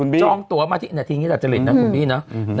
จองตัวเจอและทีนี้แต่ตลอดจริง